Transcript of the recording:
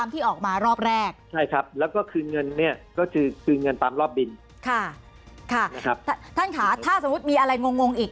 ท่านคะถ้าโชคมีอะไรงงอีก